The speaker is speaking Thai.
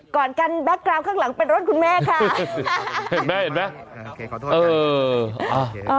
ก่อนกันแบ๊กกรามข้างหลังเป็นรถคุณแม่ค่ะเห็นมั้ยเห็นมั้ยเอออ่า